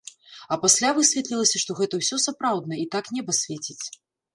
А пасля высветлілася, што гэта ўсё сапраўднае, і так неба свеціць.